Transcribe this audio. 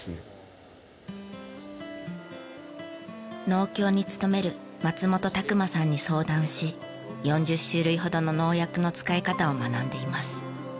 農協に勤める松本拓真さんに相談し４０種類ほどの農薬の使い方を学んでいます。